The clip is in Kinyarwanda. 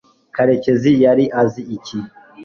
karekezi yari azi iki